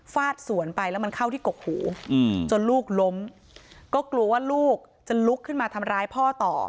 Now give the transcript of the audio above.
ฟาดสวนไปแล้วมันเข้าที่กกหูจนลูกล้มก็กลัวว่าลูกจะลุกขึ้นมาทำร้ายพ่อต่อ